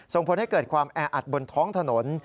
ส่งผลให้เกิดความแออัดบนท้องถนน